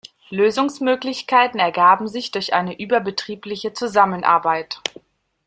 Lösungsmöglichkeiten ergaben sich durch eine überbetriebliche Zusammenarbeit.